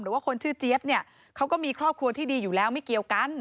คนชื่อเจี๊ยบเนี่ยเขาก็มีครอบครัวที่ดีอยู่แล้วไม่เกี่ยวกัน